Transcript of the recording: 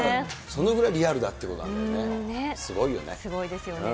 そのぐらいリアルだっていうことなんだよね。